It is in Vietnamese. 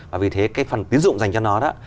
và vì thế cái phần tiến dụng dành cho nó đó